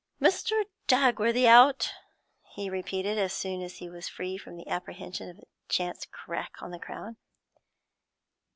'Mr. Dagworthy out?' he repeated, as soon as he was free from apprehension of a chance crack on the crown.